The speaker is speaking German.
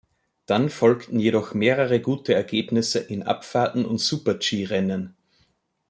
Dann folgten jedoch mehrere gute Ergebnisse in Abfahrten und Super-G-Rennen.